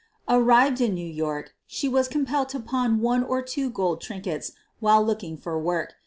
Arrived in New York she was compelled to pawn one or two gold trinkets while looking for work.